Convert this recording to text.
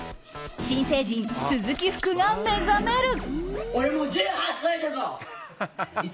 新成人、鈴木福が目覚める！